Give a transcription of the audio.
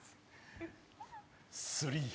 スリー。